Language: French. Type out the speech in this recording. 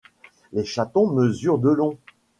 Les chatons mesurent de long.